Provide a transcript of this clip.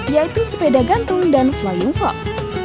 yaitu sepeda gantung dan flyover